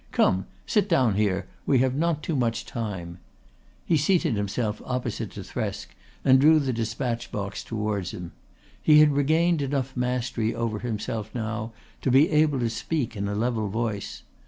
Come. Sit down here! We have not too much time." He seated himself opposite to Thresk and drew the despatch box towards him. He had regained enough mastery over himself now to be able to speak in a level voice.